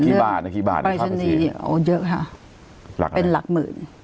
กี่บาทนะกี่บาทปรายชนีโอ้เยอะค่ะหลักเป็นหลักหมื่น